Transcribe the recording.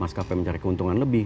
maskapai mencari keuntungan lebih